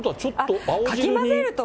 かき混ぜると。